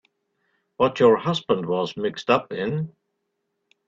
What your husband was mixed up in.